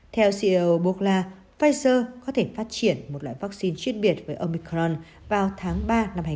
theo ceo borla pfizer có thể phát triển một loại vaccine chuyên biệt với omicron vào tháng ba năm hai nghìn hai mươi